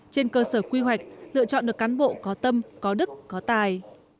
trên cơ sở quy hoạch lựa chọn được cán bộ có tâm có đức có tài